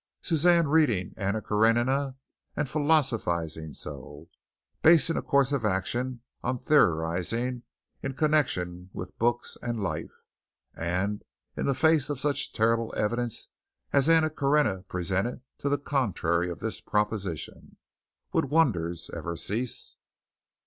Suzanne reading "Anna Karénina" and philosophizing so! Basing a course of action on theorizing in connection with books and life, and in the face of such terrible evidence as "Anna Karénina" presented to the contrary of this proposition. Would wonders ever cease?